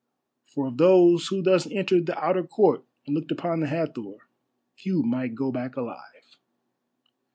For of those who thus entered the outer court and looked upon the Hathor, few might go back alive.